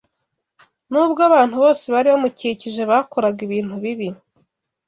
N’ubwo abantu bose bari bamukikije bakoraga ibintu bibi